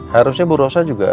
harusnya bu rosa juga